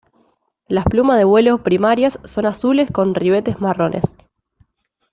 Las plumas de vuelo primarias son azules con ribetes marrones.